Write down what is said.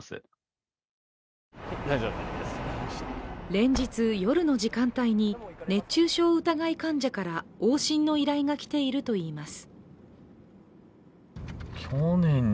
連日、夜の時間帯に熱中症疑い患者から往診の依頼が来ているといいます。